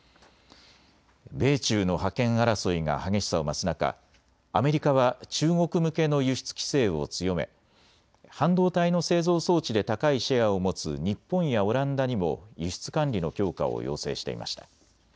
米中の覇権争いが激しさを増す中、アメリカは中国向けの輸出規制を強め半導体の製造装置で高いシェアを持つ日本やオランダにも輸出管理の強化を要請していました。